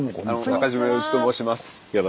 中島洋一と申します。